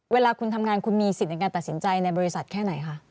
เวลาคุณทำงานคุณมีสิทธิ์ในการตัดสินใจในบริษัทแค่ไหนคะ